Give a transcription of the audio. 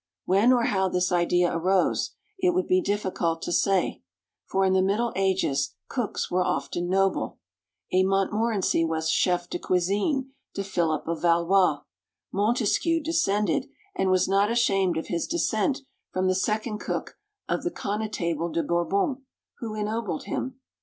When or how this idea arose it would be difficult to say, for in the middle ages cooks were often noble; a Montmorency was chef de cuisine to Philip of Valois; Montesquieu descended, and was not ashamed of his descent, from the second cook of the Connetable de Bourbon, who ennobled him.